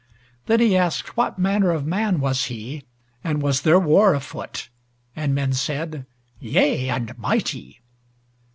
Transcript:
Then he asked what manner of man was he, and was there war afoot, and men said, "Yea, and mighty!"